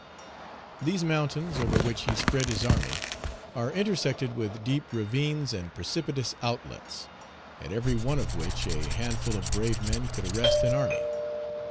These mountains, over which he spread his army, are intersected with deep ravines and precipitous outlets, at every one of which a handful of brave men could arrest an army.